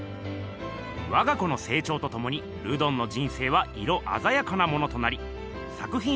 わが子のせいちょうとともにルドンの人生は色あざやかなものとなり作ひん